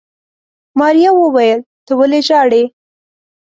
ماريا وويل ته ولې ژاړې.